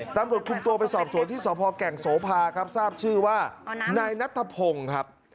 ตำรวจคุมตัวไปสอบสวนที่สพแก่งโสภาครับทราบชื่อว่านายนัทพงศ์ครับ